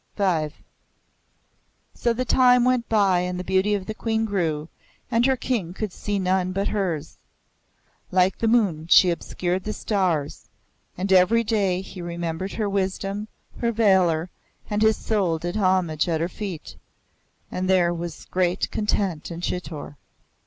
V So the time went by and the beauty of the Queen grew, and her King could see none but hers. Like the moon she obscured the stars, and every day he remembered her wisdom, her valour, and his soul did homage at her feet, and there was great content in Chitor.